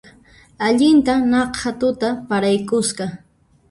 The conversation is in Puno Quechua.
Allintan naqha tutaqa paraykusqa